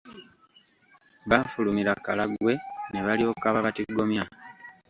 Baafulumira Karagwe ne balyoka babatigomya.